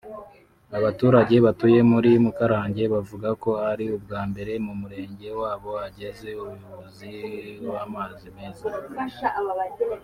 Abaturage batuye muri Mukarange bavuga ko ari ubwa mbere mu murenge wabo hageze umuyobozi w’amazi meza